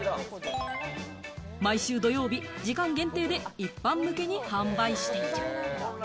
毎週土曜日、時間限定で一般向けに販売している。